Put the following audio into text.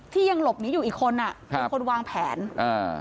ยังหลบหนีอยู่อีกคนอ่ะเป็นคนวางแผนอ่า